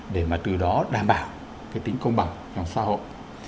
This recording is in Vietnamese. để mà từ đó đảm bảo cái tính công bằng trong xã hội